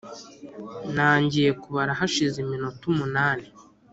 Nangiye kubara hashize iminota umunani